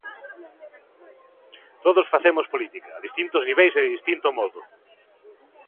Todos facemos política, a distintos niveis e de distinto modo.